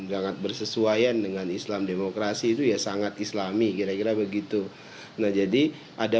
sangat bersesuaian dengan islam demokrasi itu ya sangat islami kira kira begitu nah jadi ada